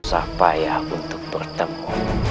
usaha payah untuk bertemu